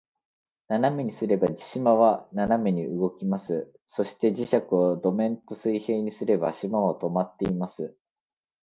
斜めにすれば、島は斜めに動きます。そして、磁石を土面と水平にすれば、島は停まっています。